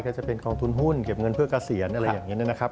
ก็จะเป็นกองทุนหุ้นเก็บเงินเพื่อเกษียณอะไรอย่างนี้นะครับ